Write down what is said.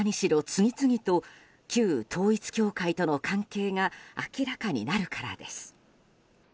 次々と旧統一教会との関係が明らかになるからです。